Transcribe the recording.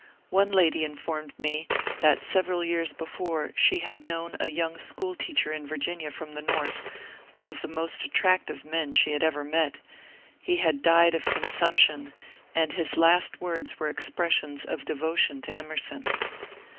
One lady informed me that several years before she had known a young school teacher in Virginia from the North, one of the most attractive men she had ever met ; he had died of consumption, and his last words were expressions of devo tion to Emerson.